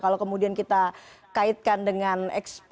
kalau kemudian kita kaitkan dengan ekspos itu apa